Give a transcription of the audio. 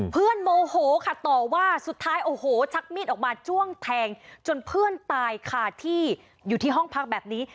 โมโหค่ะต่อว่าสุดท้ายโอ้โหชักมีดออกมาจ้วงแทงจนเพื่อนตายค่ะที่อยู่ที่ห้องพักแบบนี้